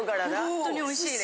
ホントにおいしいです。